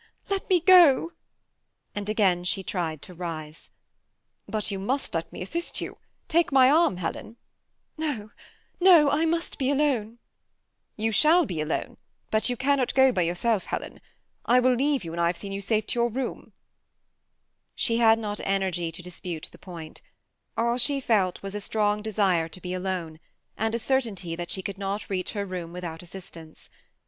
Let me go " and again she tried to rise. ''But 70U must let me assist 70U: take m7 arm, Helen." <* No, no ; I must be alone." ■ JF ■! f w* . THE SEMI ATTACHED COUPLE. 229 You shall be alone, but you cannot go by yourself, Helen. I will leave you when I have seen you safe to your room/* She had not energy to dispute the point : all she felt was a strong desire to be alone, and a certainty that she could not reach her room without assistance.